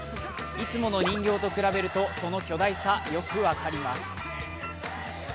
いつもの人形と比べるとその巨大さ、よく分かります。